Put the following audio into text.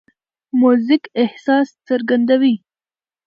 موزیک احساس څرګندوي.